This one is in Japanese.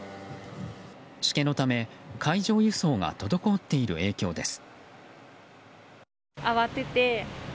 しけのため海上輸送が滞っている影響です。